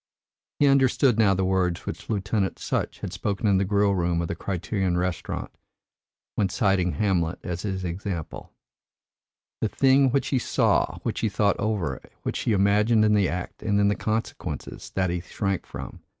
He understood now the words which Lieutenant Sutch had spoken in the grill room of the Criterion Restaurant, when citing Hamlet as his example, "The thing which he saw, which he thought over, which he imagined in the act and in the consequence that he shrank from.